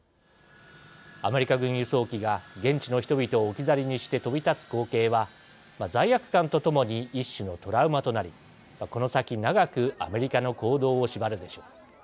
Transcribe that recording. アメリカ軍輸送機が現地の人々を置き去りにして飛び立つ光景は罪悪感とともに一種のトラウマとなりこの先長くアメリカの行動を縛るでしょう。